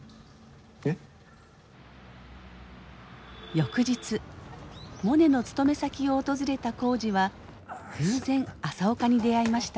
翌日モネの勤め先を訪れた耕治は偶然朝岡に出会いました。